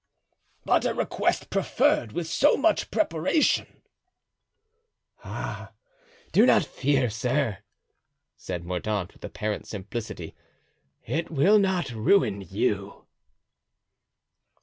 "But a request preferred with so much preparation——" "Ah, do not fear, sir," said Mordaunt, with apparent simplicity: "it will not ruin you."